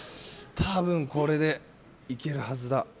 多分これでいけるはずだ。